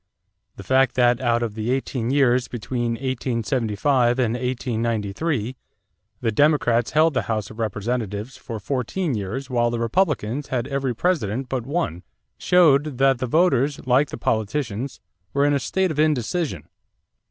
The fact that, out of the eighteen years between 1875 and 1893, the Democrats held the House of Representatives for fourteen years while the Republicans had every President but one showed that the voters, like the politicians, were in a state of indecision.